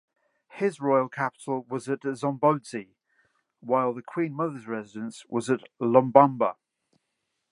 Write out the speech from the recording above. His royal capital was at Zombodze while the Queen Mother's residence was at Lobamba.